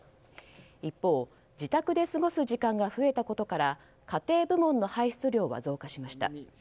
一方、自宅で過ごす時間が増えたことから家庭部門の排出量は増加しました。